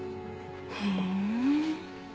ふん。